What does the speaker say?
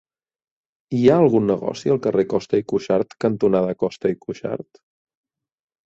Hi ha algun negoci al carrer Costa i Cuxart cantonada Costa i Cuxart?